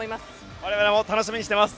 我々も楽しみにしています。